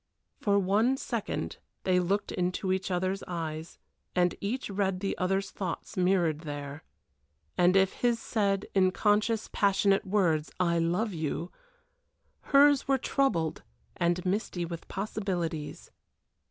For one second they looked into each other's eyes, and each read the other's thoughts mirrored there; and if his said, in conscious, passionate words, "I love you," hers were troubled and misty with possibilities.